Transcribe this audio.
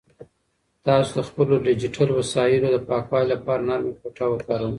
تاسو د خپلو ډیجیټل وسایلو د پاکوالي لپاره نرمه ټوټه وکاروئ.